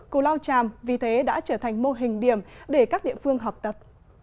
cù lao tràm vì thế đã trở thành mô hình điểm để các địa phương học tập